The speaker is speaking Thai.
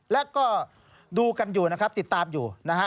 และก็ดูกันอยู่นะครับติดตามอยู่นะฮะ